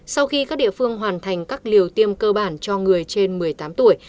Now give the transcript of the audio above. sau khi các địa phương hoàn thành các liều tiêm cơ bản cho người trên một mươi tám tuổi